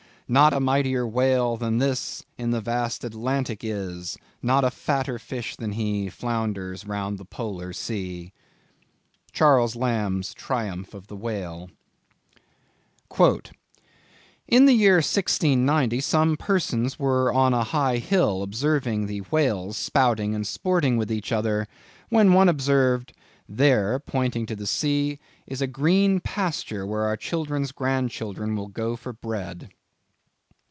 Not a mightier whale than this In the vast Atlantic is; Not a fatter fish than he, Flounders round the Polar Sea." —Charles Lamb's Triumph of the Whale. "In the year 1690 some persons were on a high hill observing the whales spouting and sporting with each other, when one observed: there—pointing to the sea—is a green pasture where our children's grand children will go for bread."